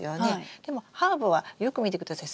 でもハーブはよく見てください。